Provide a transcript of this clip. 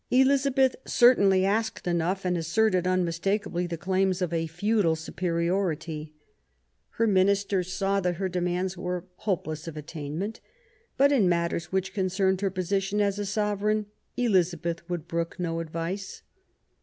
Elizabeth certainly asked enough and asserted un mistakably the claims of a feudal superiority. Her ministers saw that her demands were hopeless of attainment; but, in matters which concerned her position as a Sovereign, Elizabeth would brook no advice.